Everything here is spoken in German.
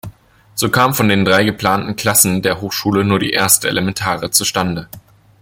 So kam von den drei geplanten „Klassen“ der Hochschule nur die erste, elementare zustande.